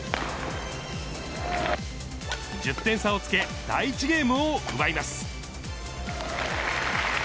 １０点差をつけ第１ゲームを奪います。